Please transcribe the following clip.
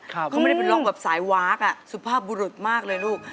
เขาไม่ได้ไปร้องแบบสายวาร์คสุภาพบุรุษมากเลยลูก